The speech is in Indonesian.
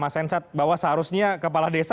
mas hensat bahwa seharusnya kepala desa